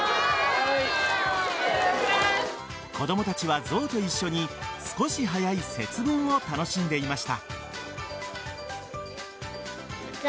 子供たちは象と一緒に少し早い節分を楽しんでいました。